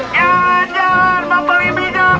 jangan jangan membeli minyak